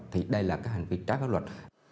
thì đây là các hành vi trái pháp luật